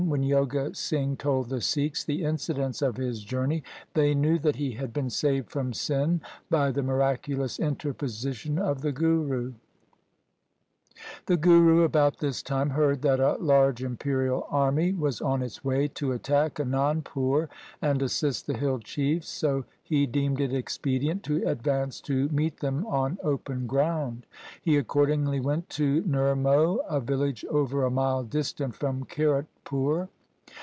When Joga Singh told the Sikhs the incidents of his journey, they knew that he had been saved from sin by the miraculous interposition of the Guru. The Guru about this time heard that a large imperial army was on its way to attack Anandpur and assist the hill chiefs, so he deemed it expedient to advance to meet them on open ground. He accordingly went to Nirmoh, a village over a mile distant from Kiratpur.